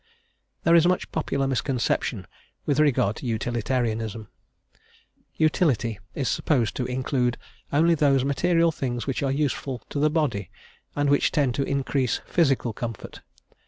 There is much popular misconception with regard to utilitarianism: "utility" is supposed to include only those material things which are useful to the body, and which tend to increase physical comfort.